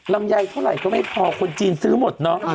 ลำไยเท่าไหร่ก็ไม่พอคนจีนซื้อหมดเนอะ